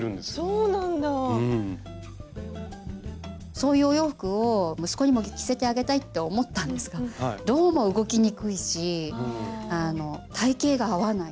そういうお洋服を息子にも着せてあげたいって思ったんですがどうも動きにくいし体型が合わない。